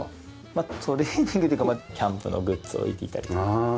まあトレーニングというかキャンプのグッズを置いていたりとか。